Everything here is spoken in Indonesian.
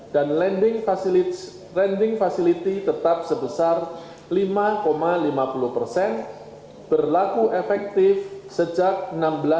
dan lending facility tetap sebesar lima lima puluh persen berlaku efektif sejak enam belas desember